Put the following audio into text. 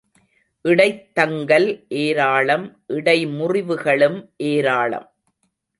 இடைத்தங்கல் ஏராளம் இடைமுறிவுகளும் ஏராளம்!